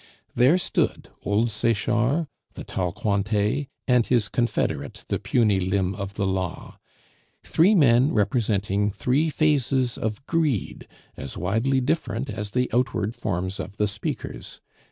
There stood old Sechard, the tall Cointet, and his confederate, the puny limb of the law, three men representing three phases of greed as widely different as the outward forms of the speakers.